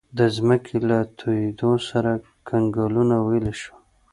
د ځمکې له تودېدو سره کنګلونه ویلې شول.